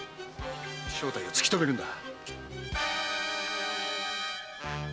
正体を突き止めるんだ。